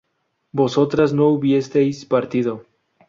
vosotras no hubisteis partido